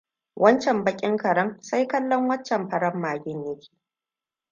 Wancan bakin karen sai kallon waccan farar magen ya ke.